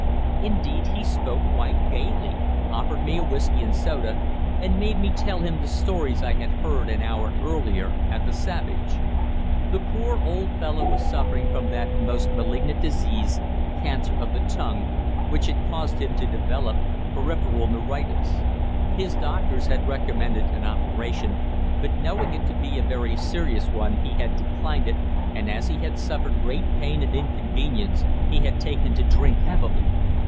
Indeed, he spoke quite gaily, offered me a whisky and soda, and made me tell him the stories I had heard an hour earlier at the Savage. The poor old fellow was suffering from that most malignant disease, cancer of the tongue, which had caused him to develop peripheral neuritis. His doctors had recommended an operation, but knowing it to be a very serious one he had declined it, and as he had suffered great pain and inconvenience he had taken to drink heavily.